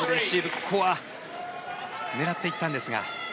ここは狙っていったんですが。